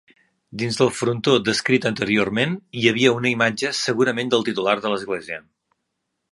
Dins el frontó descrit anteriorment hi havia una imatge segurament del titular de l'església.